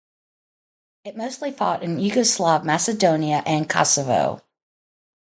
It mostly fought in Yugoslav Macedonia and Kosovo.